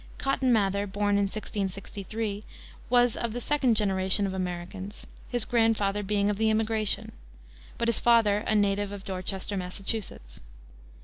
Cotton Mather, born in 1663, was of the second generation of Americans, his grandfather being of the immigration, but his father a native of Dorchester, Mass.